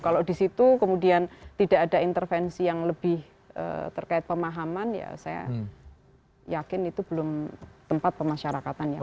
kalau di situ kemudian tidak ada intervensi yang lebih terkait pemahaman ya saya yakin itu belum tempat pemasyarakatan ya